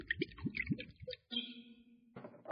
朴勍完是一名韩国男子棒球运动员。